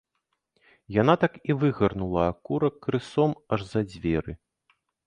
Яна так і выгарнула акурак крысом аж за дзверы.